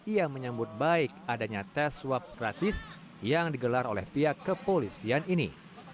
ia menyambut baik adanya tes swab gratis yang digelar oleh pihak kepolisian ini